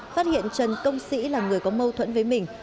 phát hiện trần công sĩ là người có mâu thuẫn với mình